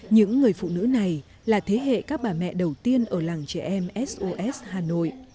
những người phụ nữ này là thế hệ các bà mẹ đầu tiên ở làng trẻ em sos hà nội